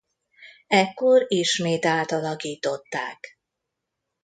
Ekkor ismét átalakították.